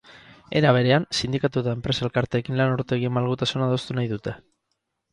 Era berean, sindikatu eta enpresa-elkarteekin lan ordutegien malgutasuna adostu nahi dute.